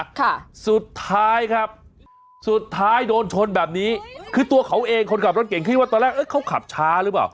ค่ะสุดท้ายครับสุดท้ายโดนชนแบบนี้คือตัวเขาเองคนขับรถเก่งคิดว่าตอนแรกเอ้ยเขาขับช้าหรือเปล่า